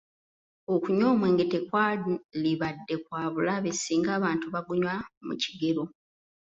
Okunywa omwenge tekwalibadde kwa bulabe singa abantu bagunywa mu kigero.